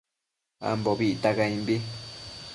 Ambobi icta caimbi